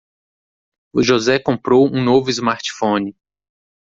José comprou um novo smartphone.